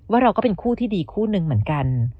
เราก็เป็นคู่ที่ดีคู่หนึ่งเหมือนกัน